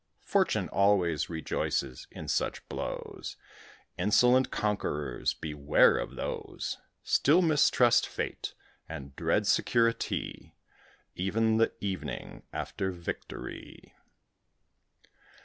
Fortune always rejoices in such blows: Insolent conquerors, beware of those. Still mistrust Fate, and dread security, Even the evening after victory.